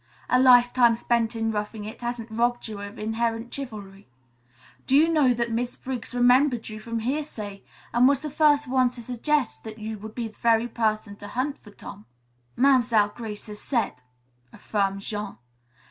"A lifetime spent in roughing it hasn't robbed you of inherent chivalry. Did you know that Miss Briggs remembered you from hearsay and was the first one to suggest that you would be the very person to hunt for Tom?" "Mam'selle Grace has said," affirmed Jean.